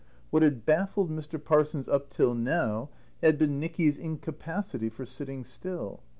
What had baffled Mr. Parsons up till now had been Nicky's incapacity for sitting still.